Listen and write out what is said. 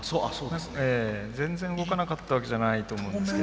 全然動かなかったわけじゃないと思うんですけど。